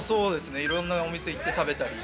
いろんなお店行って食べたり。